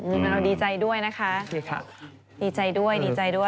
แมวดีใจด้วยนะคะดีใจด้วยดีใจด้วย